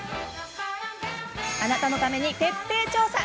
あなたのために徹底調査。